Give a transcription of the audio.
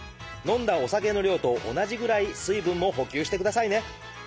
飲んだお酒の量と同じぐらい水分も補給してくださいね。